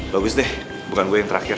bagus deh bukan gue yang terakhir